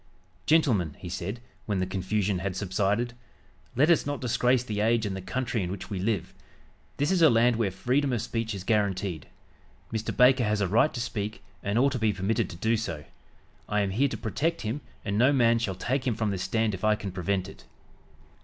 "Gentlemen," he said, when the confusion had subsided, "let us not disgrace the age and the country in which we live. This is a land where freedom of speech is guaranteed. Mr. Baker has a right to speak, and ought to be permitted to do so. I am here to protect him and no man shall take him from this stand if I can prevent it."